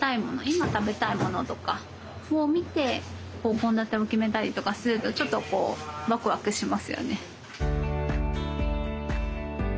今食べたいものとかを見て献立を決めたりとかするとちょっとこうワクワクしますよね。